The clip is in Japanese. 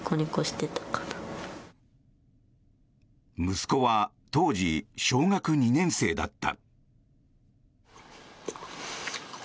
息子は当時小学２年生だった。